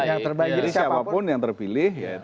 yang terbaik jadi siapapun yang terpilih